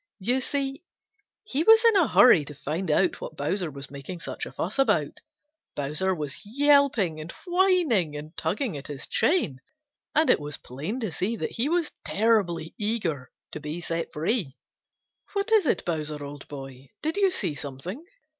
You see, he was in a hurry to find out what Bowser was making such a fuss about. Bowser was yelping and whining and tugging at his chain, and it was plain to see that he was terribly eager to be set free. "What is it, Bowser, old boy? Did you see something?"